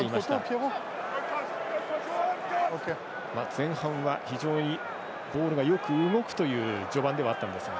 前半は非常にボールがよく動くという序盤ではあったんですが。